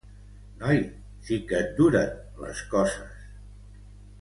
Noi, sí que et duren les coses.